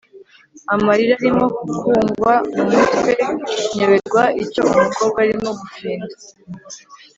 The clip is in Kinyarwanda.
amarira arimo kungwa mumutwe, nyoberwa icyo umukobwa arimo gufinda